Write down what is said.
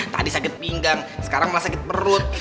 tadi sakit pinggang sekarang malah sakit perut